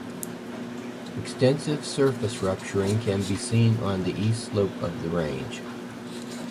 Extensive surface rupturing can be seen on the east slope of the range.